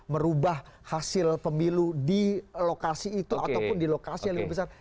merubah hasil pemilu di lokasi itu ataupun di lokasi yang lebih besar